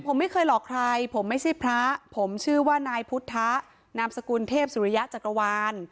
ผมไม่เคยหลอกใครผมไม่ใช่พระผมชื่อว่านายพุทธนามสกุลเทพสุริยะจักรวาล